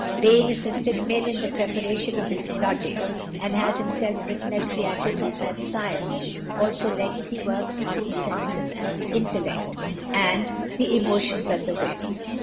Bain assisted Mill in the preparation of his "Logic," and has himself written a treatise on that science, also lengthy works on "The Senses and the Intellect," and "The Emotions and the Will."